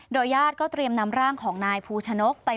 โดยยาตรก็เตรียมน้ำร่างของนายภูชนกรักไทย